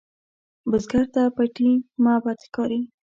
بزګر ته پټي معبد ښکاري